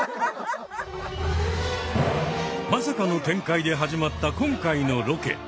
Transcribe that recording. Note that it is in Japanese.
まさかの展開で始まった今回のロケ。